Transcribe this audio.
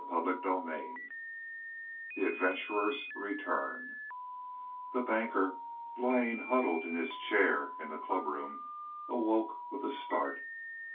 CHAPTER XL THE ADVENTURERS' RETURN The Banker, lying huddled in his chair in the clubroom, awoke with a start.